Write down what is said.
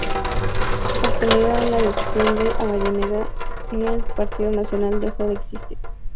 Obtenida la elección de Avellaneda el Partido Nacional dejó de existir.